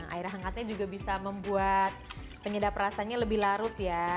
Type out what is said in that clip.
air hangatnya juga bisa membuat penyedap rasanya lebih larut ya